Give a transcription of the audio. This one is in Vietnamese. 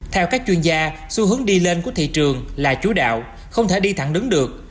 theo các chuyên gia xu hướng đi lên của thị trường là chú đạo không thể đi thẳng đứng được